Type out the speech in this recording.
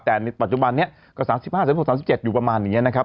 แต่ในปัจจุบันนี้ก็๓๕๑๖๓๗อยู่ประมาณอย่างนี้นะครับ